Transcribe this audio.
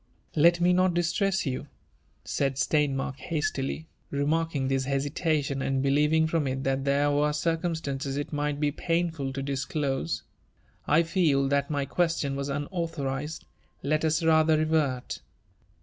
*' Let pie not distreiis you/' «aid Steinmark hastily, reaiarUn^ ^is hesitation, and beUevipg from it that there were circumptanc^i it might be painful to disclose. '* I feel that my question was upautborii^d. Let us rather revert."